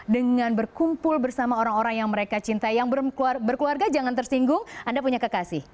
dengan berkumpul bersama orang orang yang mereka cintai yang berkeluarga jangan tersinggung anda punya kekasih